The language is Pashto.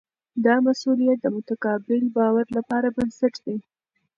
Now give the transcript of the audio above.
دا مسؤلیت د متقابل باور لپاره بنسټ دی.